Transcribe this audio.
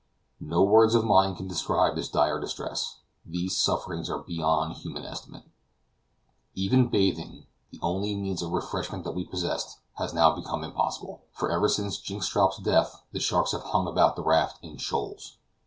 No words of mine can describe this dire distress; these sufferings are beyond human estimate. Even bathing, the only means of refreshment that we possessed, has now become impossible, for ever since Jynxstrop's death the sharks have hung about the raft in shoals.